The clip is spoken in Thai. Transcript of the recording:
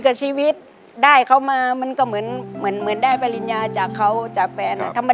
การไข่เขามาเหมือนได้ฝริงญาจากเขาจากแฟน